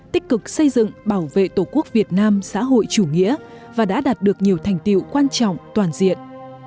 tích cực xây dựng bảo vệ tổ quốc việt nam xã hội chủ nghĩa và đã đạt được nhiều thành tiệu quan trọng toàn diện